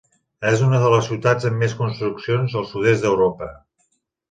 És una de les ciutats amb més construccions al sud-est d'Europa.